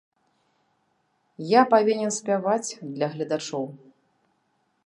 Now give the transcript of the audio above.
Я павінен спяваць для гледачоў.